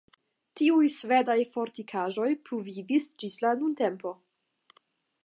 Tiuj svedaj fortikaĵoj pluvivis ĝis la nuntempo.